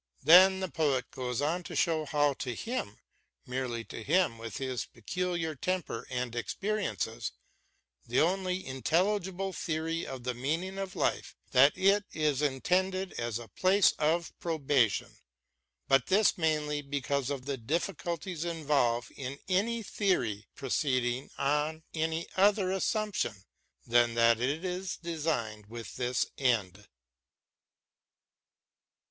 Then the poet goes on to show how to him, merely to him with his peculiar temper and experiences, the only intelligible theory of the meaning of life is that it is intended as a place of probation, but this mainly because of the difficulties involved in any theory proceeding on any other assumption than that it is designed with this end.